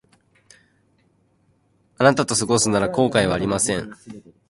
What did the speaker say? あなたと過ごすなら後悔はありません